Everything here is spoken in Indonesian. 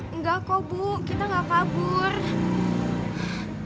enggak bu kita party tidak main dua mm